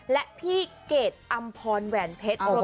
และพี่เกดอำพรแหวนเพชร